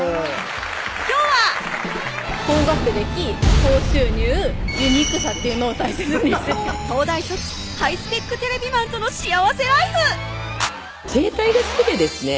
今日は高学歴・高収入・ユニークさっていうのを足し算にして東大卒ハイスペックテレビマンとの幸せライフ自衛隊が好きでですね